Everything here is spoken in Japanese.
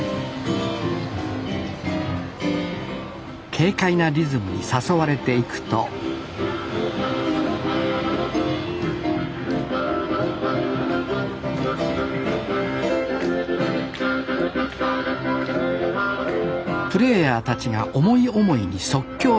軽快なリズムに誘われていくとプレーヤーたちが思い思いに即興演奏。